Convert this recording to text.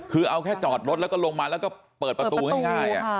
คือเอาแค่จอดรถแล้วก็ลงมาแล้วก็เปิดประตูง่าย